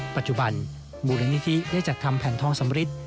ปัจจุบันมูลนิธิได้จัดทำแผ่นทองสำริท